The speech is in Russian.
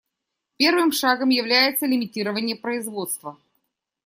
Первым шагом является лимитирование производства.